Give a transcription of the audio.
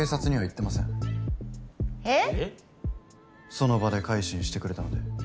その場で改心してくれたので。